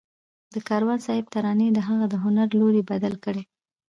د کاروان صاحب ترانې د هغه د هنر لوری بدل کړ